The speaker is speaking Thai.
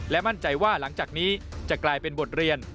มั่นใจว่าหลังจากนี้จะกลายเป็นบทเรียน